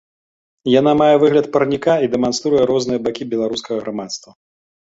Яна мае выгляд парніка і дэманструе розныя бакі беларускага грамадства.